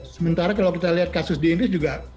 sementara kalau kita lihat kasus di inggris juga